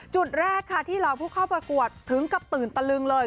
จุดแรกค่ะที่เหล่าผู้เข้าประกวดถึงกับตื่นตะลึงเลย